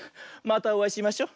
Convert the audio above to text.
またおあいしましょ。